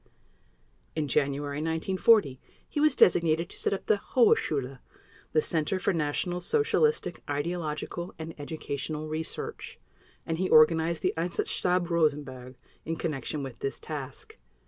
In January 1940, he was designated to set up the "Hohe Schule," the Center of National Socialistic Ideological and Educational Research, and he organized the "Einsatzstab Rosenberg" in connection with this task.